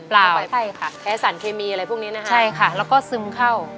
ไปใช่ค่ะใช้สารเคมีอะไรพวกนี้นะคะใช่ค่ะแล้วก็ซึมเข้า